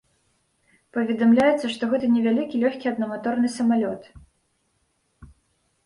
Паведамляецца, што гэта невялікі лёгкі аднаматорны самалёт.